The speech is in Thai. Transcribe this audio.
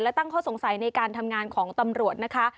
และตั้งข้อสงสัยในการทำงานของตำรวจนะคะ